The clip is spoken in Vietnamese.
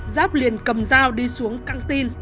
giáp liền cầm dao đi xuống căn